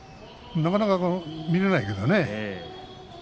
なかなか見れないけどね。